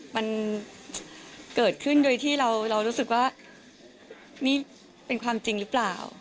มันเกิดขึ้นโดยที่เรารู้สึกว่านี่เป็นความจริงหรือเปล่า